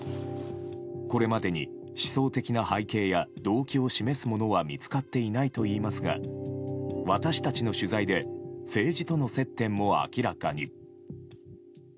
これまでに思想的な背景や動機を示すものは見つかっていないといいますが私たちの取材で政治との接点も明らかに。